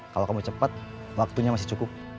kalau kamu cepat waktunya masih cukup